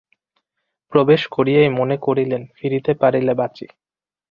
প্রবেশ করিয়াই মনে করিলেন, ফিরিতে পারিলে বাঁচি।